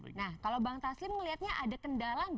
nah kalau bang taslim melihatnya ada kendala nggak